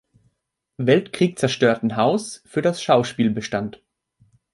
Weltkrieg zerstörten Haus für das Schauspiel bestand.